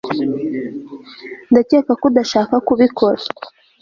ndakeka ko udashaka kubikora